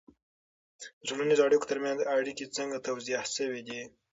د ټولنیزو اړیکو ترمنځ اړیکه څنګه توضیح سوې ده؟